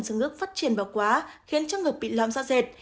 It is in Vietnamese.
dưới ngực phát triển bỏ quá khiến chân ngực bị lõm ra rệt